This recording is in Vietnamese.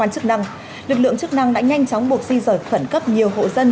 chức năng lực lượng chức năng đã nhanh chóng buộc di rời khẩn cấp nhiều hộ dân